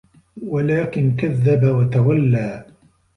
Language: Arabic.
وَلكِن كَذَّبَ وَتَوَلّى